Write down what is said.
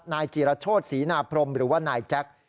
นายจีรโชธศรีนาพรมหรือว่านายแจ็ค